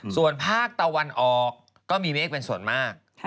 ส่วนภาคตะวันออกก็มีเมฆเป็นส่วนมาก